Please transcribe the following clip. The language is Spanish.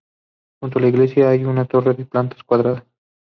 Junto a la iglesia hay una torre de planta cuadrada.